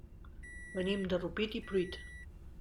Venim de Rupit i Pruit.